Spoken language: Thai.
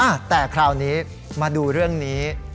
แต่คราวนี้มาดูเรื่องนี้